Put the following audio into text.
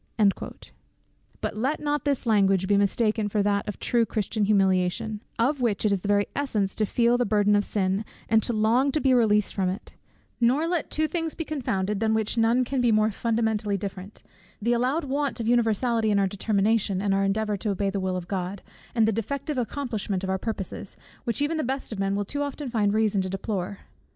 But let not this language be mistaken for that of true Christian humiliation, of which it is the very essence to feel the burden of sin, and to long to be released from it: nor let two things be confounded, than which none can be more fundamentally different, the allowed want of universality in our determination, and our endeavour to obey the will of God, and that defective accomplishment of our purposes, which even the best of men will too often find reason to deplore.